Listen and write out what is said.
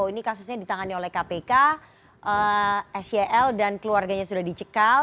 ini kasusnya ditangani oleh kpk sel dan keluarganya sudah dicekal